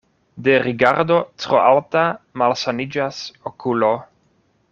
De rigardo tro alta malsaniĝas okulo.